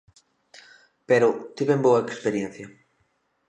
Pero, tiven boa experiencia.